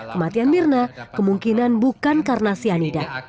kematian mirna kemungkinan bukan karena cyanida